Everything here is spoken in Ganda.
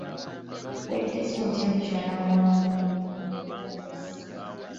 Weddiza otya mukyala wa munno ng'omusse?